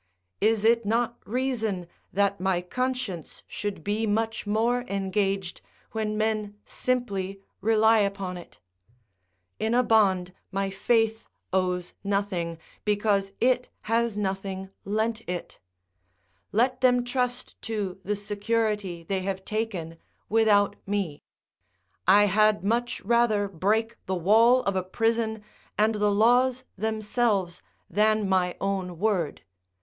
Is it not reason that my conscience should be much more engaged when men simply rely upon it? In a bond, my faith owes nothing, because it has nothing lent it; let them trust to the security they have taken without me. I had much rather break the wall of a prison and the laws themselves than my own word.